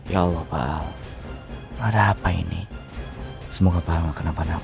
ya allah pak al ada apa ini semoga pak al gak kena panah apa